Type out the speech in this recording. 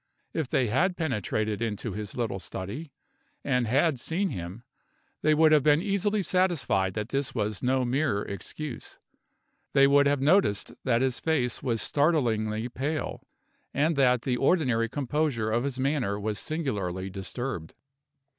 If they had penetrated into his little study, and had seen him, they would have been easily satisfied that this was no mere excuse. They would have noticed that his face was startlingly pale, and that the ordinary composure of his manner was singularly disturbed.